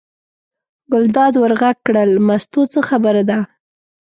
ګلداد ور غږ کړل: مستو څه خبره ده.